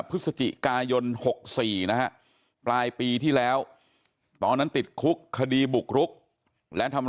พฤศจิกายน๖๔นะฮะปลายปีที่แล้วตอนนั้นติดคุกคดีบุกรุกและทำ